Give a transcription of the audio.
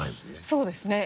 そうですね。